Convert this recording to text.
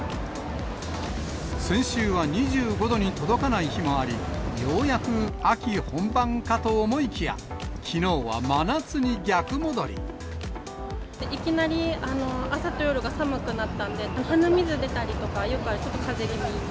先週は２５度に届かない日もあり、ようやく秋本番かと思いきや、いきなり朝と夜が寒くなったんで、鼻水出たりとか、ちょっとかぜ気味に。